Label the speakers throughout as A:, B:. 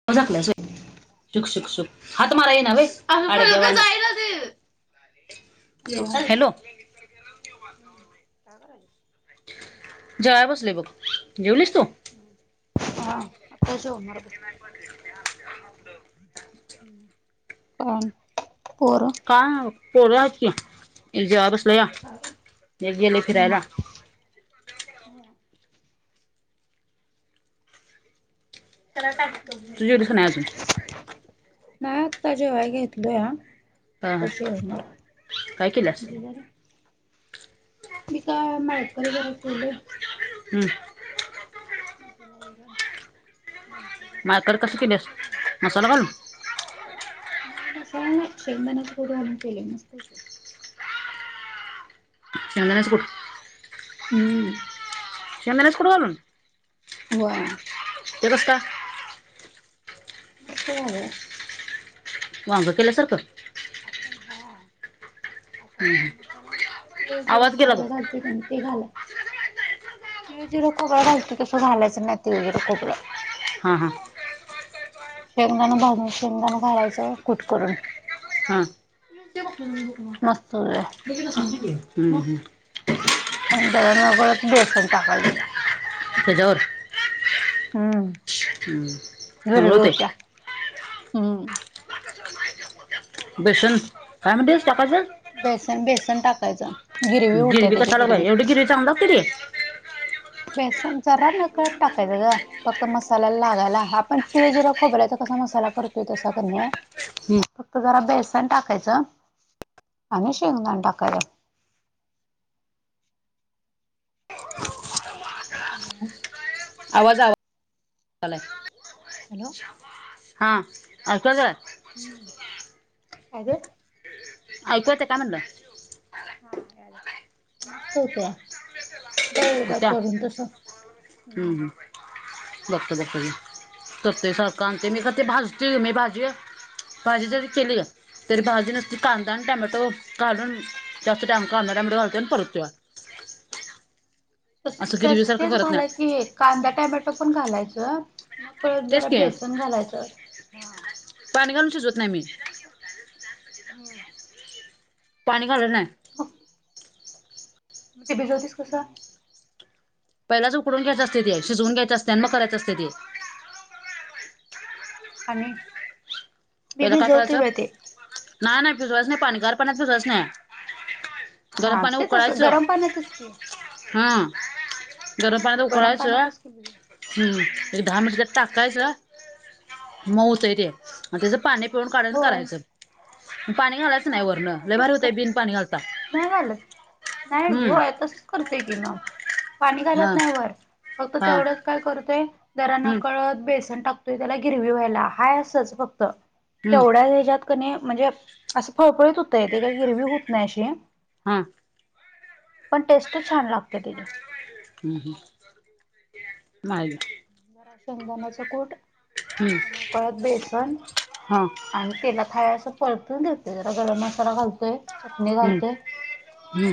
A: [unintelligible]
B: Hello
A: हात मारा ये ना व्हय? व [inaudible] हॅलो.
B: हम्म. काय करायलिस?
A: जेवाय बसलोय बघ. जेवलीस तू?
B: ह. हा. आत्ता जेवनार बघ. हम्म. कोण?
A: का पोर आहेत की. मी जेवाया बसलोया.
B: हम्म
A: हे गेले फिरायला. त्याला टाकतो तू जेवलीस का नाही अजून
B: नाही आत्ता जेवाया घेतलया.
A: हा,
B: तसे
A: हा.
B: होणार.
A: काय केल्यास
B: मी काय माळकरी जरा ठेवलंय
A: हू
B: वरण लोणच जरा
A: मार्कर कसं केल्यास मसाला घालून
B: नाही मंडळाची शेगदान्याच कुट घालून केलय मस्त
A: शेंगदाण्याच कुट
B: हू
A: शेंगदाण्याच कुट घालून
B: होय
A: एक वाजता
B: मस्त झालया
A: वांग केल्यासारखं
B: आपण हा आपण
A: हम्म, हम्म.
B: मसाला तिळ जिर
A: आवाज गेला
B: खोबर
A: बघ
B: घाल ते घाल तिळ जिरं खोबरं घालती तसं घालायचं नाही तिळ जिरं खोबरं
A: हा हा
B: शेंगदाण भाजून शेंगदाण घालायचं कुट करून
A: हा [unintelligible]
B: असं होय
A: मी जरा थांबतो की हू
B: [unintelligible] बेसन टाकायच
A: त्याज्यावर
B: हू
A: चांगलं होतंय
B: घरगुत्या हू
A: बेसन काय म्हणतीस टाकायचं
B: बेसन बेसन टाकायचं गिरवी हूत्या त्याची गिरवी
A: झाल कि रे
B: बेसन जरा नकळत टाकायचं ग फक्त मसाल्याला लागायला आपण तिळ जिर खोबऱ्याचा कसा मसाला करतोय तसा कणी
A: हं.
B: फक्त जरा बेसन टाकायचं आणि शेंगदाण टाकायचं [inaudible]
A: आवाज आलाय
B: हॅलो
A: हा आता काय
B: हू आज
A: आवाज येतोय काय म्हणल
B: हू यालाय मस्त हूतया बघ एकदा
A: त्या
B: करून तस
A: हं, हं. बघतो बघतो घे चुकतंय का
B: हम्म.
A: ते आमच मी का ते भाज त मी भाजूया भाजी जरी केली का तरी भाजी कांदा आणि टोमॅटो घालून जास्त टाइम कांदा टोमॅटो घालतोय आणि परततोय असं
B: तस
A: गिरवीसारखं
B: तेच
A: करत
B: घालायच
A: नाही
B: की कांदा टोमॅटो पण घालायच
A: तेच की
B: हा
A: पाणी घालून शिजवत नाय मी
B: हू
A: पाणी घालत नाही
B: ते भिजवतीस कसं
A: पहिलाच उकडून घ्यायच असते ते शीजवून घ्यायचं असते आणि मग कराच असते ते.
B: आणि मी
A: पहिला काय
B: भिजवते
A: करायचं
B: बाई ते.
A: नाही नाही भिजवाच नाही पाणी गार पाणी भिजवायंच नाही. गरम
B: हा
A: पाण्यात
B: ते तसं
A: उकळायचं
B: गरम पाण्यातच की.
A: हा. गरम पाण्यात
B: गरम
A: उकळायच.
B: पाण्यातच की भिजव
A: हम्म एक दहा मिनिटं त्यात टाकायच मऊतय रे. आणि तेच पाणी पिऊून काढायंच आणि
B: होय
A: करायचं. पाणी घालायचं
B: हा
A: नाही वरण
B: तसच
A: लयभारी होते
B: करते
A: बिन पाणी घालता.
B: नाही घालत नाही हो
A: हम्म
B: आताच करतोय कि म पाणी
A: हा
B: घालत नाही वर फक्त
A: हा
B: तेवढंच काय करतोय. दरांना
A: हम्म
B: कळत बेसन टाकतोय त्याला गिरवी व्हायला हय असंच फक्त
A: हम्म
B: तेवढ्या हच्यात कधी म्हणजे असं फळफळत होत, ते काय गिरवी होत नाही अशी.
A: हां
B: पण टेस्ट छान लागते त्याची.
A: हम् हम् नाही
B: बरा शेंगदाना्याच कूट
A: हम्म
B: आणि नकळत बेसन
A: हा
B: आणि तेला खाय असं परतून देतय जरा गरम मसाला घालतोय. चटणी
A: हम्म
B: घालतोय
A: हम्म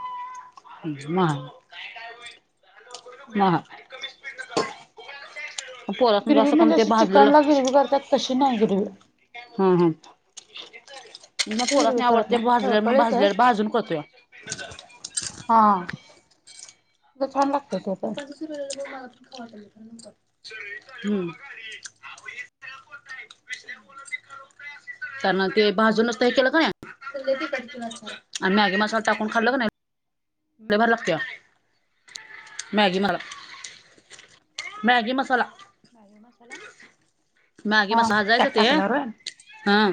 B: [unintelligible]
A: म [inaudible] स [inaudible]
B: ग्रिवी म्हणजे अशी चिकनला ग्रिवी करतायात तशी नाही ग्रिवी.
A: हम् हम्म मी ना
B: तशी गिरवी
A: पोरासानी
B: करत
A: आवडते
B: नाही
A: भाजल्याला भाजलेला
B: फळफळीतच
A: म्हणुन भाजून करतोय. ब [inaudible]
B: हा! नाही छान लागते ते पण
A: टम् [inaudible] आ [inaudible] विषय ब [inaudible] त्याना ते भाजूनच केलं का नाही आणि मॅगी मसाला टाकून खाल्ला का नाही.
B: हम्म
A: लय भारी लागतंय मॅगी
B: बघू
A: मला मॅगी मसाला. मॅगी
B: हा
A: मसाला भाजायचं
B: त्यात
A: ते
B: टाकल्यावर होय.
A: हा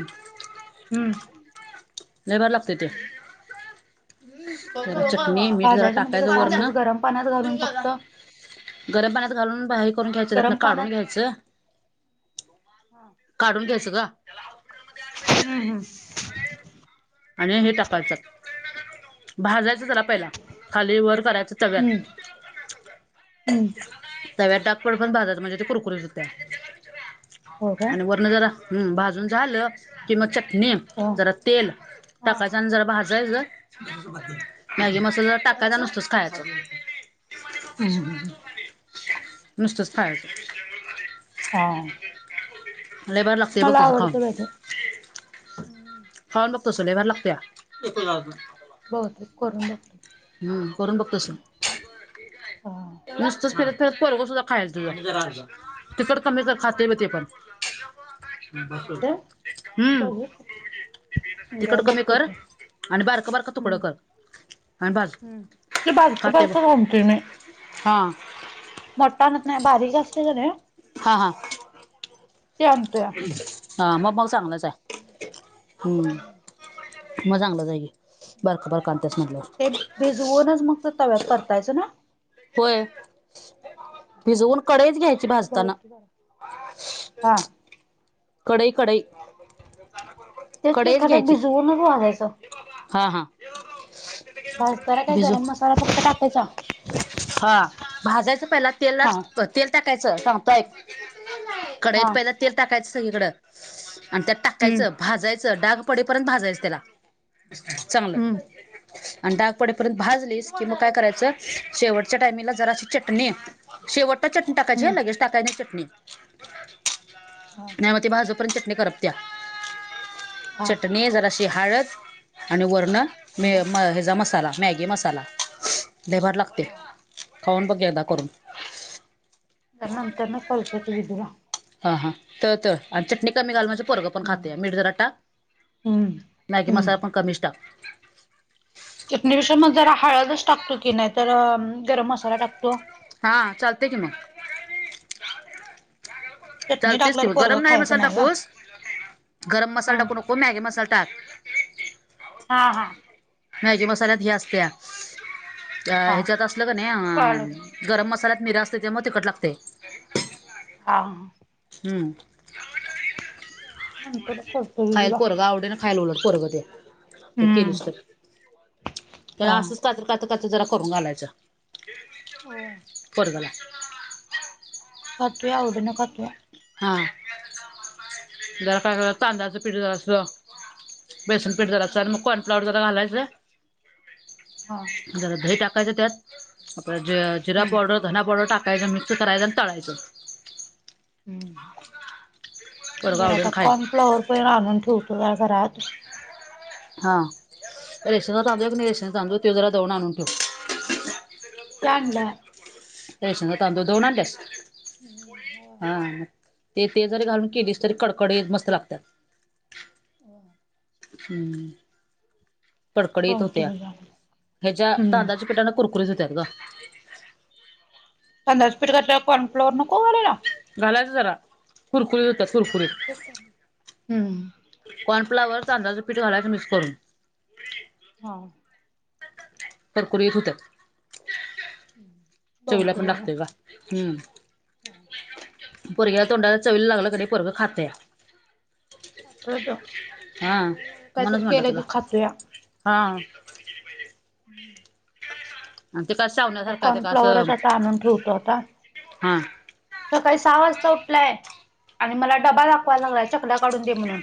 B: हम्
A: लय भारी लागते ते.
B: हम्म
A: चटणी मीठ जरा
B: भाजायचं म्हणजे
A: टाकायचं
B: कसं असंच
A: वरनं.
B: गरम पाण्यात घालून फक्त
A: गरम पाण्यात घालून बा हे करून घ्यायचं त्यातनं
B: गरम
A: काढून
B: पाण्यात
A: घ्यायचं. काढून घ्यायचं गं
B: हम्म हम्म
A: आणि हे टाकायचं, भाजायचं जरा पहिला खाली वर करायचं चट
B: हम्म हम्म
A: तव्यात डाग पडू पर्यंत भाजायच म्हणजे ते कुरकुरीत होत्या
B: हो काय
A: आणि वरण जरा हम्म भाजून झालं कि म चटणी
B: हो
A: जरा तेल टाकायचं आणि जरा भाजायचे, मॅगी
B: हम्म
A: मसाला टाकायचा ‌. कदा नसतच खायचं.
B: हम हम्म ह
A: नुसतस खायचं.
B: हा
A: लय भारी लागते, बघ
B: मला
A: तसं खाऊन.
B: आवडतं बाई ते
A: खाऊन बघ तसं, लय भारी लागतया.
B: बहुतेक करून बघते.
A: हम्म करून बघ तसं.
B: हा
A: नुसतंचं फिरत फिरत पोरगं सुद्धा खायल तुझ. तिखट कमी कर खातेयं ब ते पन.
B: ते
A: हम्म
B: बघू उद्या
A: तिकट कमी
B: बघतो
A: कर,
B: ते
A: आणि बारक बारक तुकड
B: हम्म
A: कर. आन्
B: हम्म. ते बारक बारक वौमतंयं मी
A: हा.
B: मोट्टा आणत नाही. बारीक जास्त झालयं अ
A: हा हा
B: आणतोया.
A: हा म मग चांगलंच आहे. हम्म म चांगलंच आये की, बारकं बारकं आनतास म्हटल्याव
B: ते भिजवूनच मग ते तव्यात परतायचं ना?
A: होय.
B: हा.
A: भिजवून कडईच घ्यायची
B: बघ
A: भाजताना.
B: की जरा. हा.
A: कडई, कडई.
B: तेच की खरं, भिजवूनचं भाजायचं.
A: हा हा.
B: भाजताना काही
A: भिजू
B: गरम मसाला फक्त टाकायचा.
A: हा. भाजायचं पहिला तेलात.
B: हा
A: अ तेल टाकायचं सांगतोय,
B: हा
A: कडईत पहिलं तेल टाकायचं सगळीकडं. आणि त्यात
B: हम्म
A: टाकायचं, भाजायचं, डाग पडेपर्यंत भाजायचं त्याला चांगलं.
B: हम्म
A: आणि डाग पडेपर्यंत भाजलीस की म काय करायचं शेवटच्या टायमिला जराशी चटणी शेवटला चटणी टाकायची अ
B: हम्म.
A: लगेच टाकाय नाय चटणी
B: हा.
A: नाही म ते भाजू परत चटणी करत्या.
B: हा
A: चटणी, जराशी हाळद आणि वर्ण मे
B: हा
A: म अ ह्येजा मसाला, मॅगी मसाला. लई भारी लागते.
B: हा
A: खाऊन बघ एकदा करून.
B: आता नंतर न काॅल करते विदुला.
A: हं हं, त त, आणि चटणी कमी घाल, म्हणजे पोरग पण
B: हम्म.
A: खातेया. मीठ जरा टाक.
B: हम्म.
A: मॅगी
B: हम्म
A: मसाला पण कमीच टाक.
B: चटणी विषयी म जरा हळदच टाकतो की नाही तर, गरम मसाला टाकतो.
A: हा, चालते की म.
B: चटणी
A: चालतेस कि
B: टाकल्यावर
A: म, गरम
B: पोरगं
A: नाही
B: खायचं
A: मसाला
B: गं.
A: टाकूस, गरम मसाला
B: हम्म
A: टाकू नको, मॅगी मसाला टाक.
B: हा हा.
A: मॅगी मसाल्यात ह्य असत्या, अ
B: हा.
A: ह्याच्यात असल कनै अ
B: कळालं
A: गरम मसाल्यात मिरा असते त्यामु तिखट लागतेय.
B: हाव न.
A: हम्म.
B: ह्म्म.
A: खायलं पोरगा आवडी न. खायलोलं पोरगं तोय, ते
B: हम्म
A: केलीस तो,
B: हा.
A: त्येला असंच साजरं काचं, काचं जरा करून घालायच.
B: हो.
A: बोला.
B: खातोया आवडन खातोय.
A: हा जरा काय तांदळाचं पिठ जरा अस बेसन पीठ जरास आणि मग कॉर्न फ्लॉवर जरा घालायचं
B: हा.
A: जरा दही टाकायचं त्यात, आपल जिरा
B: हम्म
A: पावडर. धना पावडर टाकायचा मिक्स करायच आणि तळायचं.
B: हम्
A: पोरगं
B: जरा
A: आवडीनं
B: आता
A: खाईल
B: कॉर्नफ्लॉवर पण आणून ठेवतो जरा घरात.
A: हा रेशनचा तांदूळ हाय कनी, रेशनचा तांदूळ ते जरा दळून आणून ठेव.
B: ते आणलाय.
A: रेशनचा तांदूळ दळून आणल्यास,
B: हम्म होय.
A: हां हां. ते ते जरी घालून केलीस तरी कडकडीत मस्त लागतात.
B: [inaudible]
A: हम्म कडकडीत
B: बघतो
A: होत्या.
B: की जरा
A: हच्या
B: हम्म
A: तांदळाच्या पिटान कुरकुरीत होतात ग.
B: तांदळाच पीठ घातल्यावर, कॉर्नफ्लोर नको घालायला.
A: घालायचं जरा कुरकुरीत होतात
B: हा तेच की
A: कुरकुरीत.
B: हम्म
A: कॉर्नफ्लावर, तांदळाच पीठ घालायच मिक्स करून.
B: हा.
A: कुरकुरीत होत्यात
B: बघतो
A: चवीला
B: की
A: पण
B: जरा
A: लागत्यात. हम्म पोरग्याला तोंडाला चवीला लागल कणी पोरग खातया.
B: खातोय त्यो,
A: हा
B: काहीतरी
A: म्हणूनच
B: वेगळ
A: म्हटलं
B: केलं
A: तुला
B: की खातोय.
A: हा.
B: [inaudible]
A: आणि ते कसा
B: जरा कॉर्नफ्लॉवरच आता आणून ठेवतो आता.
A: हा
B: सकाळी सहा वाजता उठलाय, आणि मला डबा दाखवाय लागलाय चकल्या काढून दे म्हणून.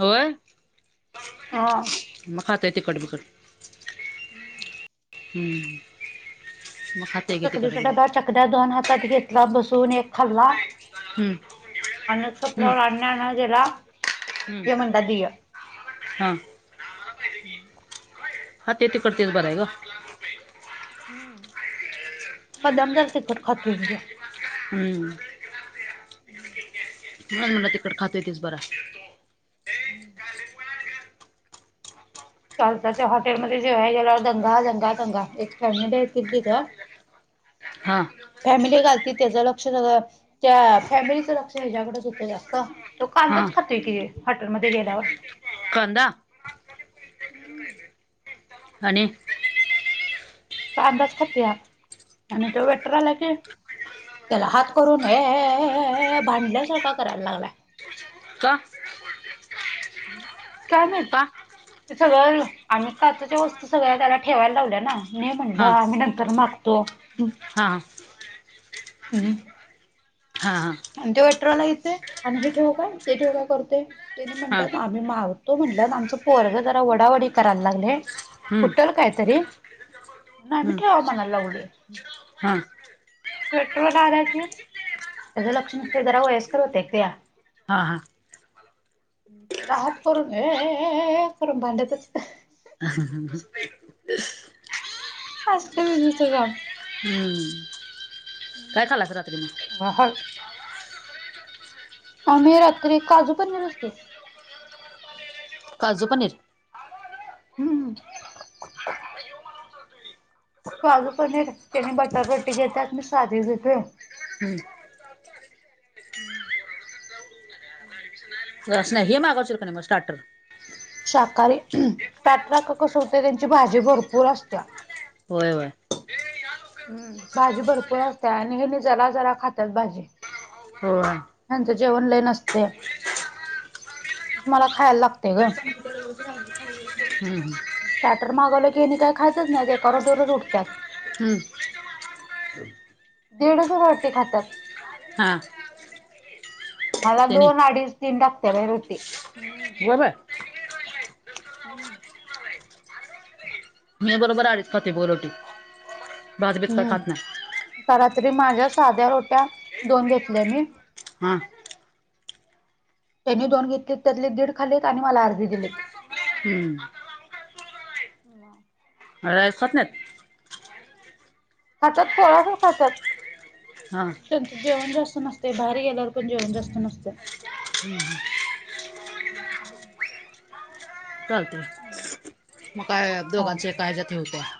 A: होय,
B: अ
A: मग खातोय तिखट -बिखट. हम्म. गे तिकट
B: चकलीचा
A: बिकट
B: डब्बा, चकल्या दोन हातात घेतला बसून एक खाल्ला
A: हम्म.
B: आणि
A: हम्म
B: सपल्यावर, आणि आणाय गेला,
A: हम्म
B: ये म्हणला दे की.
A: हा हा ते तिकड तेच बरं आहे.
B: हं, मुद्दाम जरा तिखट खातोय.
A: हम्म, म्हणून म्हणल तिखट खातोय तेच बरंय.
B: [inaudible] काल तर त्या हॉटेलमध्ये जेवायला गेल्यावर दंगा, दंगा, दंगा. एक फॅमिली आलती तिथं.
A: हा.
B: फॅमिली एक आलती, त्याच लक्ष सगळ त्या फॅमिलीचं लक्ष, ह्याच्याकडेच होतं जास्त. तो
A: हा
B: कांदाच खातोय की हॉटेलमध्ये गेल्यावर.
A: कांदा.
B: [inaudible]
A: आणि
B: कांदाच खातोया, आणि तो वेटर आला की त्याला हात करून, ये ये ये भांडल्यासारखा करायला लागलाय.
A: का?
B: काय माहितं?
A: का
B: ते सगळं आम्ही काचेच्या वस्तू, सगळ्या त्याला ठेवायला लावल्या ना. मी म्हटलं,
A: हा
B: आम्ही नंतर मागतो. हम्म.
A: हा हां.
B: आणि त्यो विड्रावाला येतोय आणि हे ठेवू काय, ते ठेवू काय करतोय. ह्यांनी
A: हा
B: म्हटलंत मी मागतो म्हटलं, आमचं पोरग जरा वडावडी कराय लागलंय.
A: हम्म
B: फुटल कायतरी. आम्ही
A: हम्म
B: ठेवा म्हणाय लागलोय.
A: हा
B: पेट्रोल आला घेऊन त्याचं लक्ष नसतंय, जरा वयस्कर होत्या एक त्या.
A: हा हां.
B: असा हात करून, ये ये ये करून भांडतच
A: हा हा हा होतय.
B: असतं विजूचं काम
A: हम्म, काय खाल्लास रात्री मग?
B: [unintelligible] आम्ही रात्री, काजू पनीरच की.
A: काजू पनीर?
B: हम्म. काजु पनीर त्यानी बटर रोटी घेतेत, मी साधी घेतोय.
A: हम्म स्नॅक्स नाही, हे मागवशील का नाही मग स्टार्टर?
B: शाकाहारी, स्टार्टर अगं कसं होतंय, त्यांची भाजी भरपूर असत्या.
A: होय, होय.
B: हम्म. भाजी भरपूर असत्या आणि हेनी जरा, जरा खात्यात भाजी.
A: होय.
B: ह्यांचं जेवण लई नसतय. मला खायाला लागतय गं.
A: हम्म.
B: स्टार्टर मागवलं की, हेनी काही खातच नाहीत, एका रोटीवरच उठत्यात.
A: हम्म.
B: दीडच रोटी खातात.
A: हा.
B: मला
A: ते नाही
B: दोन, अडीच, तीन लागत्या बाई रोटी. हम्म
A: बरायं.
B: हम्म.
A: मी बरोबर आडीच खाते बघ रोटी, भात बीत काय
B: हम्म.
A: खात नाही.
B: रात्री माझ्या, साध्या रोट्या दोन घेतल्या मी.
A: हम.
B: त्यांनी दोन घेतलीत, त्यातले दीड खाल्लीत आणि मला अर्धी दिलीत.
A: हम्. रसा खात नाहीत.
B: खातात, थोडासाच खातात.
A: हां.
B: त्यांंच जेवण जास्त नसतंय, बाहेर गेल्यावर पण जेवण जास्त नसतंय.
A: [inaudible]
B: [inaudible]
A: चालतय म काय
B: हा
A: दोघांच एका हेज्यात हे होतय.